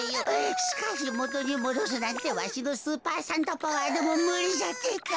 しかしもとにもどすなんてわしのスーパーサンタパワーでもむりじゃってか。